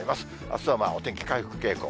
あすはお天気回復傾向。